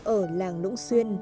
ở làng lũng xuyên